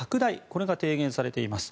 これが提言されています。